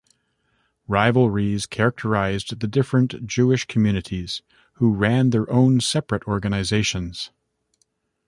Rivalries characterized the different Jewish communities, who ran their own separate organizations.